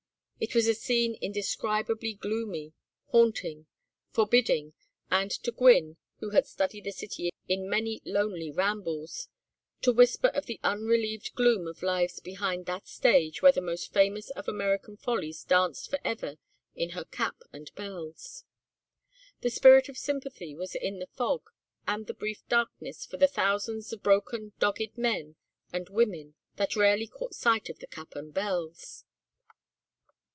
It was a scene indescribably gloomy, haunting, forbidding, and to Gwynne, who had studied the city in many lonely rambles, to whisper of the unrelieved gloom of lives behind that stage where the most famous of American Follies danced for ever in her cap and bells. The spirit of sympathy was in the fog and the brief darkness for the thousands of broken dogged men and women that rarely caught sight of the cap and bells.